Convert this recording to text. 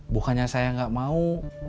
bukannya saya gak mau